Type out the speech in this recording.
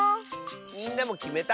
みんなもきめた？